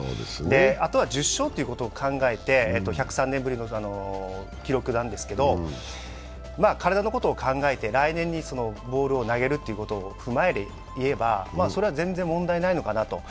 あとは１０勝を考えて１０３年ぶりの記録なんですけど、体のことを考えて来年にボールを投げることを踏まえれば、それは全然問題ないのかなと。